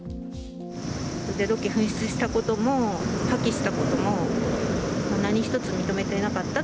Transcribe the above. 腕時計紛失したことも、破棄したことも、何一つ認めてなかった。